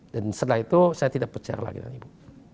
dan setelah itu saya tidak percaya lagi dengan ibu